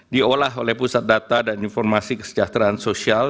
diolah oleh pusat data dan informasi kesejahteraan sosial